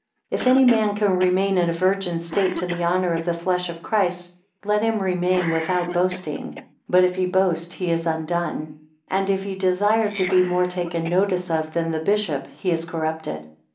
9 If any man can remain in a virgin state, to the honour of the flesh of Christ, let him remain without boasting; but if he boast, he is undone. And if he desire to be more taken notice of than the bishop he is corrupted.